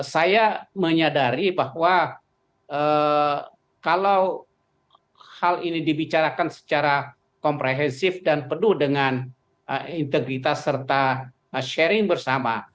saya menyadari bahwa kalau hal ini dibicarakan secara komprehensif dan penuh dengan integritas serta sharing bersama